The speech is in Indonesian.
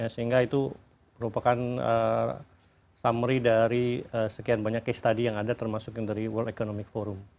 sehingga itu merupakan summary dari sekian banyak case study yang ada termasuk yang dari world economic forum